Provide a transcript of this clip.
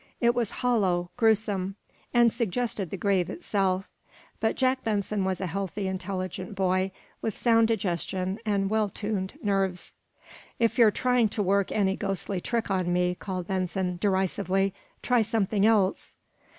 It was hollow, gruesome, and suggested the grave itself. But Jack Benson was a healthy, intelligent boy, with sound digestion and well tuned nerves. "If you're trying to work any ghostly trick on me," called Benson, derisively, "try something else!"